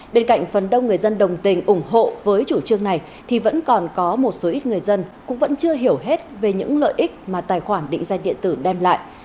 bên cạnh phần đông người dân đồng tình ủng hộ với chủ trương này thì vẫn còn có một số ít người dân cũng vẫn chưa hiểu hết về những lợi ích mà tài khoản định danh điện tử đem lại